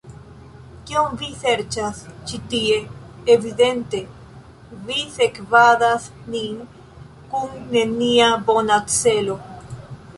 Kion vi serĉas ĉi tie? Evidente vi sekvadas nin kun nenia bona celo.